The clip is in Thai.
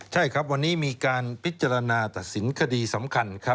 ใช่ครับวันนี้มีการพิจารณาตัดสินคดีสำคัญครับ